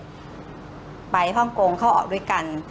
ก็ไปฮ่องกงเข้าออกด้วยกัน